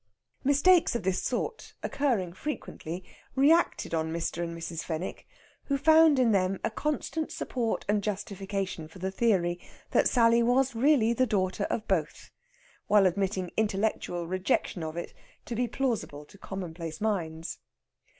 Mistakes of this sort, occurring frequently, reacted on Mr. and Mrs. Fenwick, who found in them a constant support and justification for the theory that Sally was really the daughter of both, while admitting intellectual rejection of it to be plausible to commonplace minds.